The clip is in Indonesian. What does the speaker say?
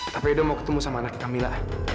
tapi edo mau ketemu sama anaknya kamila